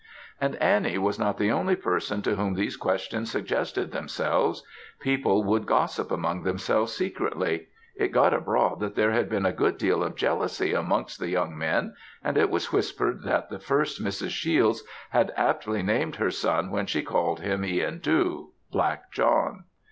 And Annie was not the only person to whom these questions suggested themselves. People would gossip amongst themselves secretly; it got abroad that there had been a good deal of jealousy amongst the young men, and it was whispered that the first Mrs. Shiels had aptly named her son when she called him Ihan Dhu Black John.